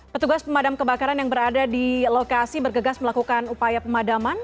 petugas pemadam kebakaran yang berada di lokasi bergegas melakukan upaya pemadaman